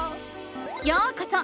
ようこそ！